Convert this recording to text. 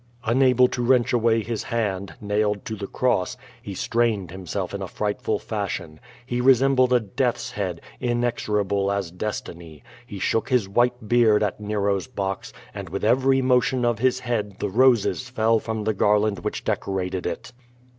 Unable to wrench away his hand, nailed to the cross, he straiied himself in a frightful fashion. He resembled a 440 <?^0 TADI8. death's head, inexorable as destiny; he shook his white beard at Nero's box, and with every motion of his head the roses fell from the garland which decorated it.